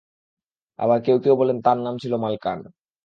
আবার কেউ কেউ বলেন, তাঁর নাম ছিল মালকান।